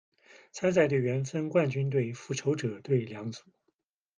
参赛队员分冠军队、复仇者队两组。